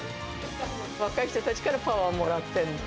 若い人たちからパワーをもらってるの。